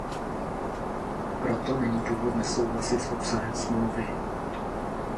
Proto není důvod nesouhlasit s obsahem smlouvy.